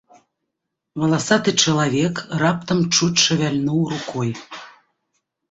Валасаты чалавек раптам чуць шавяльнуў рукою.